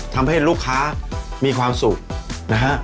ทำให้ลูกค้ามีความสุขนะฮะ